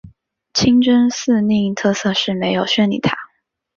清真寺另一特色是没有宣礼塔。